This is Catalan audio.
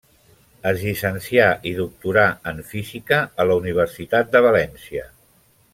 Es llicencià i doctorà en Física a la Universitat de València.